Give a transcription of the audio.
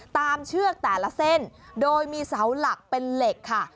เชือกแต่ละเส้นโดยมีเสาหลักเป็นเหล็กค่ะ